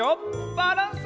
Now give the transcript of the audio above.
バランス！